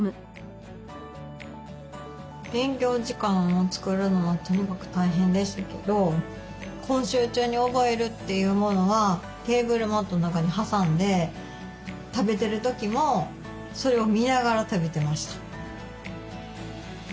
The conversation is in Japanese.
勉強時間を作るのはとにかく大変でしたけど今週中に覚えるというものはテーブルマットの中に挟んで食べてる時もそれを見ながら食べてました。